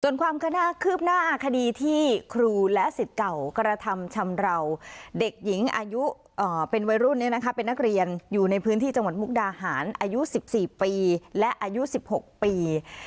ส่วนความคืบหน้าคดีที่ครูและสิทธิ์เก่ากระทำชำราวเด็กหญิงอายุเป็นวัยรุ่นเป็นนักเรียนอยู่ในพื้นที่จังหวัดมุกดาหารอายุ๑๔ปีและอายุ๑๖ปี